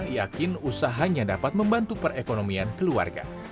yakin usahanya dapat membantu perekonomian keluarga